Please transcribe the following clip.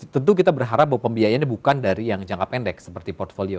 tentu kita berharap bahwa pembiayaannya bukan dari yang jangka pendek seperti portfolio